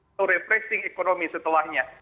atau refreshing ekonomi setelahnya